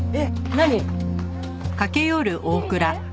何？